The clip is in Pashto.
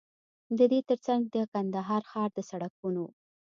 ددې تر څنګ د کندهار ښار د سړکونو